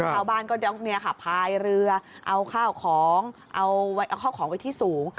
ชาวบ้านก็จะเอาเนี่ยค่ะพายเรือเอาข้าวของเอาข้าวของไปที่สูง